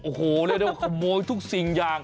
โอ้โหเรียกได้ว่าขโมยทุกสิ่งอย่าง